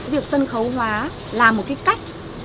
việc sân khấu hóa là một cái cách